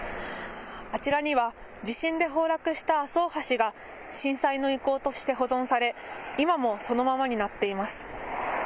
あちらには地震で崩落した阿蘇大橋が、震災の遺構として保存され、今もそのままになっています。